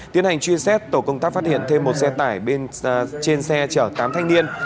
tổ công tác phát hiện thêm một xe tải trên xe chở tám thanh niên